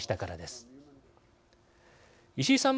石井さん